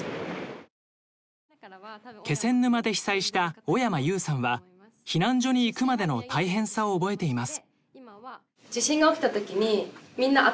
気仙沼で被災した小山結有さんは避難所に行くまでの大変さを覚えています。